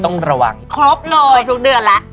ต้องระวังครบเลยครบทุกเดือนแล้ว